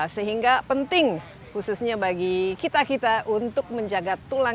sehingga penting khususnya bagi kita kita untuk menjaga tulang